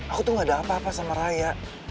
aku tuh gak ada apa apa sama raya